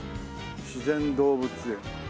自然動物園。